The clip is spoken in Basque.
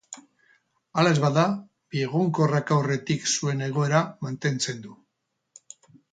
Hala ez bada, biegonkorrak aurretik zuen egoera mantentzen du.